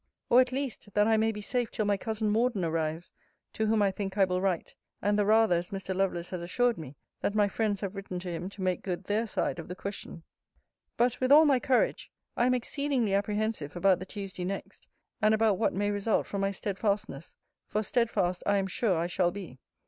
Or, at least, that I may be safe till my cousin Morden arrives: to whom, I think, I will write; and the rather, as Mr. Lovelace has assured me, that my friends have written to him to make good their side of the question. But, with all my courage, I am exceedingly apprehensive about the Tuesday next, and about what may result from my steadfastness; for steadfast I am sure I shall be.